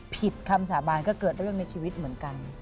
คำสาบานก็เกิดเรื่องในชีวิตเหมือนกัน